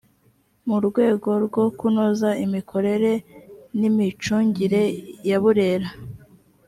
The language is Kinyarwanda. mu rwego rwo kunoza imikorere n’ imicungire ya burera .